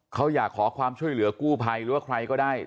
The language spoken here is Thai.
เขาอยากขอความช่วยเหลือกู้ภัยหรือว่าใครก็ได้